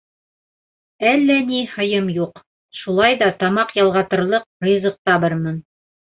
Әллә ни һыйым юҡ, шулай ҙа тамаҡ ялғатырлыҡ ризыҡ табырмын.